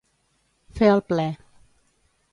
Fer el ple.